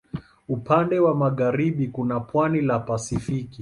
Upande wa magharibi kuna pwani la Pasifiki.